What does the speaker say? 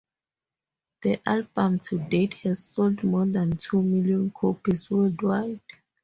The album to date has sold more than two million copies worldwide.